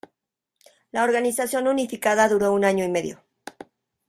La organización unificada duró un año y medio.